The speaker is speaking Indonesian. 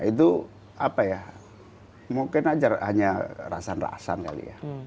itu apa ya mungkin aja hanya rasan rasan kali ya